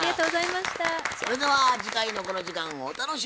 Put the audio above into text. それでは次回のこの時間をお楽しみに。